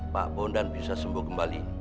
pak bondan bisa sembuh kembali